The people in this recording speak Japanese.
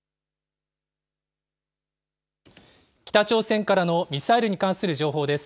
北朝鮮からのミサイルに関する情報です。